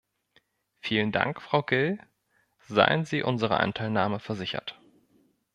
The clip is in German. Vielen Dank, Frau Gill, seien Sie unserer Anteilnahme versichert.